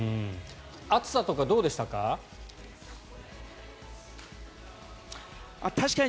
暑さとかどうでしたか？